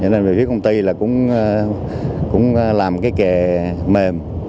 nên về phía công ty là cũng làm cái kè mềm